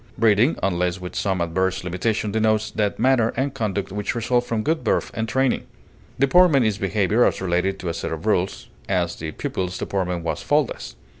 Breeding, unless with some adverse limitation, denotes that manner and conduct which result from good birth and training. Deportment is behavior as related to a set of rules; as, the pupil's deportment was faultless.